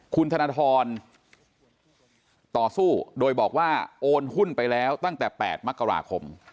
คุณธนทรต่อสู้โดยบอกว่าโอนหุ้นไปแล้วตั้งแต่๘มกราคม